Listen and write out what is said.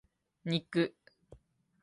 肉